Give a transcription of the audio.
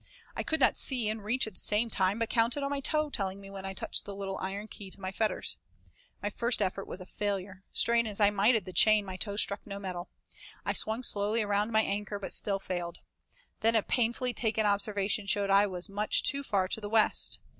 I could not see and reach at the same time, but counted on my toe telling me when I touched the little iron key to my fetters. My first effort was a failure; strain as I might at the chain my toe struck no metal. I swung slowly around my anchor, but still failed. Then a painfully taken observation showed I was much too far to the west.